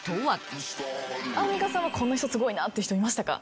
アンミカさんはこの人すごいなっていう人いましたか？